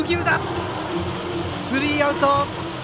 スリーアウト。